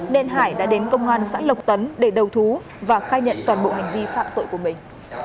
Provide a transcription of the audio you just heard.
nên hải đã đến công an xã lộc tấn để đầu thú và khai nhận toàn bộ hành vi phạm tội của mình